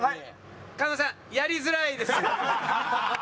狩野さんやりづらいです。